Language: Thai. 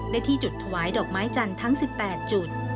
ที่จุดถวายดอกไม้จันทร์ทั้ง๑๘จุด